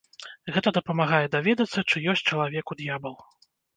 Гэта дапамагае даведацца, ці ёсць чалавеку д'ябал.